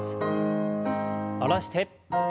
下ろして。